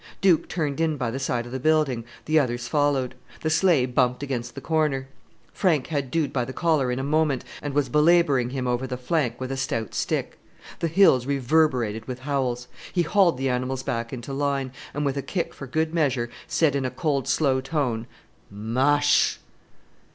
Dude turned in by the side of the building, the others followed; the sleigh bumped against the corner. Frank had Dude by the collar in a moment, and was belabouring him over the flank with a stout stick. The hills reverberated with howls. He hauled the animals back into line, and with a kick for good measure, said in a cold slow tone, "Mush."